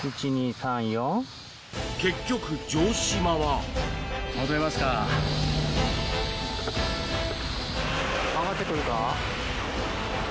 結局城島は上がってくるか？